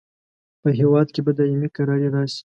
په هیواد کې به دایمي کراري راشي.